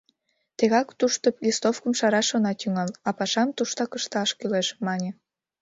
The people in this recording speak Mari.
Тегак тушто листовкым шараш она тӱҥал, а пашам туштак ышташ кӱлеш, мане.